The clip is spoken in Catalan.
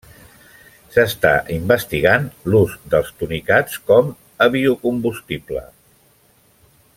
S'està investigant l'ús dels tunicats com a biocombustible.